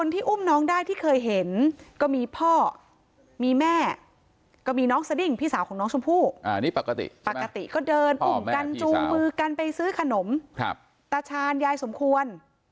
ตาชาญยายสมควร